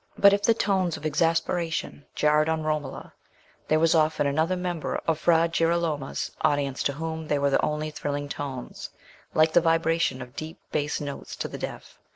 But if the tones of exasperation jarred on Romola, there was often another member of Fra Girolamo's audience to whom they were the only thrilling tones, like the vibration of deep bass notes to the deaf.